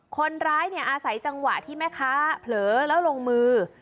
คนร้ายเนี่ยอาศัยจังหวะที่แม่ค้าเผลอแล้วลงมือ